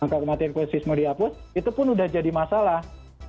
karena itu sudah jadi masalah